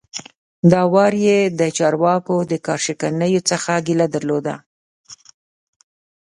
دا وار یې د چارواکو له کار شکنیو څخه ګیله درلوده.